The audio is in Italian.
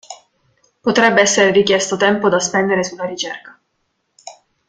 Potrebbe essere richiesto tempo da spendere sulla ricerca.